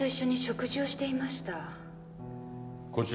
こちらで？